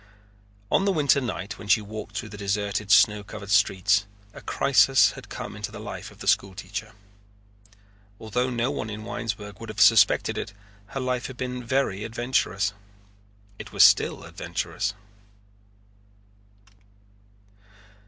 On the winter night when she walked through the deserted snow covered streets, a crisis had come into the life of the school teacher. Although no one in Winesburg would have suspected it, her life had been very adventurous. It was still adventurous.